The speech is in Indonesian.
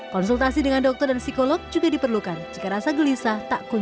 konsultasi dengan dokter dan psikolog juga diperlukan jika rasa gelisah tak kunjung